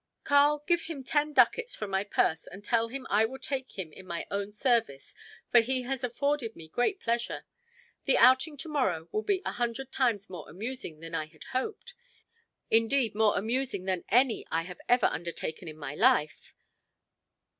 "Karl, give him ten ducats from my purse and tell him I will take him in my own service, for he has afforded me great pleasure. The outing to morrow will be a hundred times more amusing than I had hoped indeed more amusing than any I have ever undertaken in my life."